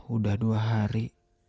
udah dua hari